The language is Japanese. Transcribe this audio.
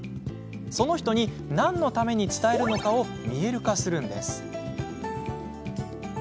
その人に何のために伝えるのかを見える化するんです。